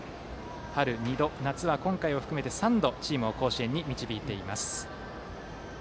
春２度、夏は今回を含めて３度チームを甲子園に導いています。